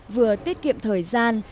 vừa tiết kiệm thời gian